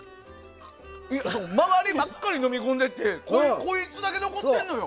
周りばっかり飲み込んでいってこいつだけ残ってんのよ。